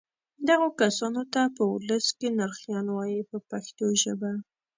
دغو کسانو ته په ولس کې نرخیان وایي په پښتو ژبه.